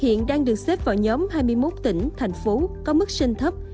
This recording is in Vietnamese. hiện đang được xếp vào nhóm hai mươi một tỉnh thành phố có mức sinh thấp